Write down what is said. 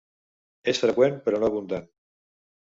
És freqüent però no abundant.